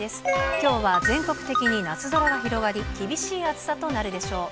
きょうは全国的に夏空が広がり、厳しい暑さとなるでしょう。